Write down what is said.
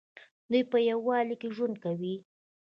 دوی په یووالي کې ژوند کوي.